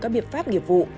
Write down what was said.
các biện pháp nghiệp vụ